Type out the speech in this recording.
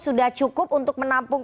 sudah cukup untuk menampung